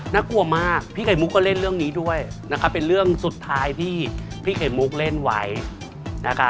น่ากลัวมากพี่ไข่มุกก็เล่นเรื่องนี้ด้วยนะคะเป็นเรื่องสุดท้ายที่พี่ไข่มุกเล่นไว้นะคะ